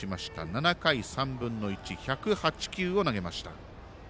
７回３分の１１０８球を投げました。